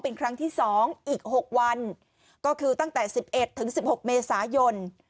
เป็นครั้งที่สองอีกหกวันก็คือตั้งแต่สิบเอ็ดถึงสิบหกเมษายน